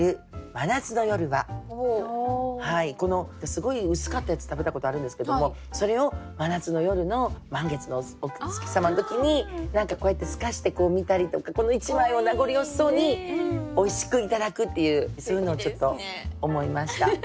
すごい薄かったやつ食べたことあるんですけどもそれを真夏の夜の満月のお月様の時に何かこうやってすかして見たりとかこの一枚を名残惜しそうにおいしく頂くっていうそういうのちょっと思いました。